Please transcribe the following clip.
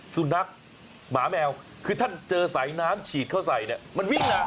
สุนัขหมาแมวคือท่านเจอสายน้ำฉีดเข้าใส่เนี่ยมันวิ่งหนา